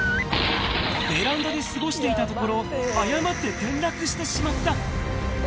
ベランダで過ごしていたところ、誤って転落してしまった。